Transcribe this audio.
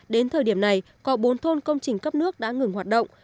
đến thời điểm này có bốn thôn công trình cấp nước đã ngừng hoạt động